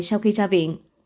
sau khi ra viện